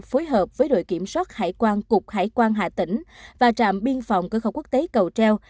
phối hợp với đội kiểm soát hải quan cục hải quan hà tĩnh và trạm biên phòng cơ khẩu quốc tế cầu treo